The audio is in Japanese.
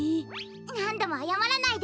なんどもあやまらないで。